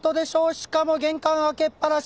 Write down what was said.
しかも玄関開けっぱなし。